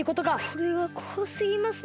これはこわすぎますね。